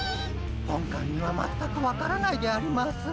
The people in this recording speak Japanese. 本官には全く分からないであります。